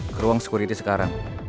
keruang sekuriti sekarang